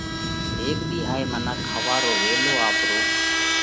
هيڪ ۮِي هائي منک ۿوار رو ويلو آپرو